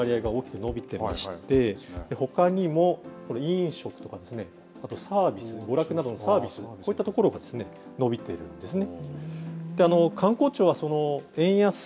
ご覧のとおり、宿泊、宿泊費の割合が大きく伸びていまして、ほかにも飲食とか、あとサービス、娯楽などのサービス、こういったところが伸びているんですね。